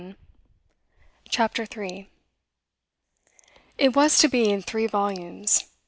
CHAPTER 3 It was to be in three volumes.